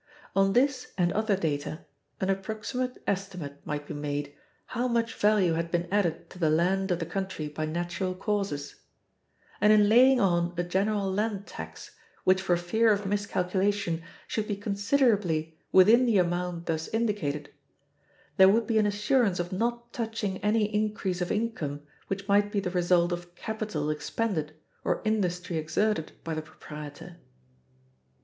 On this and other data, an approximate estimate might be made how much value had been added to the land of the country by natural causes; and in laying on a general land tax, which for fear of miscalculation should be considerably within the amount thus indicated, there would be an assurance of not touching any increase of income which might be the result of capital expended or industry exerted by the proprietor.